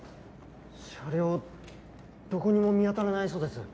車両どこにも見当たらないそうです